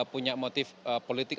punya motif politik